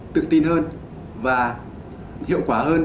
tự tin hơn và hiệu quả hơn